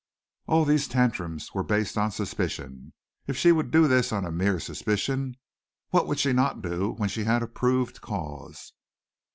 All these tantrums were based on suspicion. If she would do this on a mere suspicion, what would she not do when she had a proved cause?